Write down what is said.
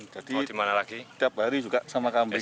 jadi tiap hari juga sama kambing